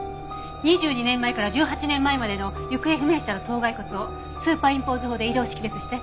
２２年前から１８年前までの行方不明者の頭蓋骨をスーパーインポーズ法で異同識別して。